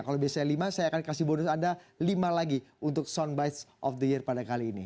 kalau biasanya lima saya akan kasih bonus anda lima lagi untuk soundbites of the year pada kali ini